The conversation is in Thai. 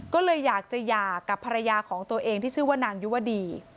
ก็เลยอยากจะหย่ากับภรรยาของตัวเองที่ชื่อว่านางยุวดี